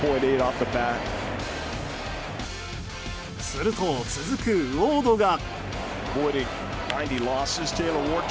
すると、続くウォードが。